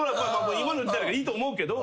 今の時代だからいいと思うけど。